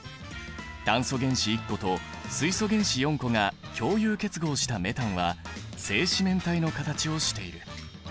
炭素原子１個と水素原子４個が共有結合したメタンは正四面体の形をしている。